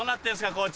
コーチ。